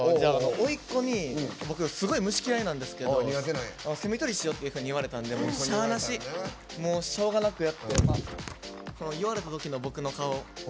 おいっ子に、僕すごい虫嫌いなんですけどセミ捕りしようって言われたんでしゃあなし、しょうがなくやってこの言われたときの僕の顔。